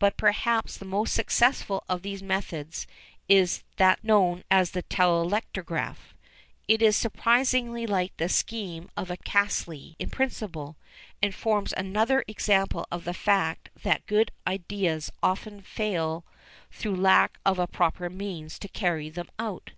But perhaps the most successful of these methods is that known as the telectrograph. It is surprisingly like the scheme of Caselli in principle, and forms another example of the fact that good ideas often fail through lack of the proper means to carry them out.